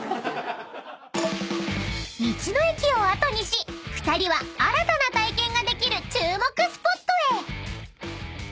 ［道の駅を後にし２人は新たな体験ができる注目スポットへ］